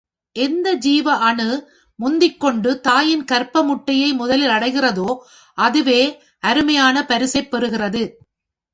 எந்த ஜீவ அணு முந்திக் கொண்டு தாயின் கர்ப்ப முட்டையை முதலில் அடைகிறதோ, அதுவே அருமையான பரிசைப் பெறுகிறது.